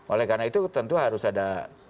oleh karena itu tentu harus ada